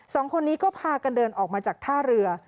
สองคนนี้ก็พากันเดินออกมาจากท่าเรือ